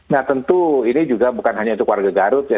nah tentu ini juga bukan hanya untuk warga garut ya